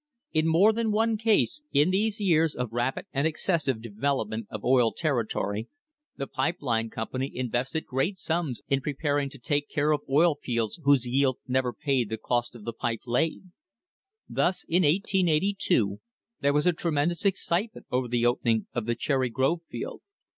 In more than one case, in these years of rapid and excessive development of oil territory, the pipe line company invested great sums in pre paring to take care of oil fields whose yield never paid the cost of the pipe laid. Thus, in 1882, there was a tremendous excitement over the opening of the Cherry Grove field.